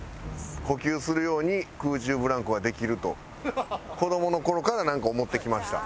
呼吸するように空中ブランコはできると子どもの頃からなんか思ってきました。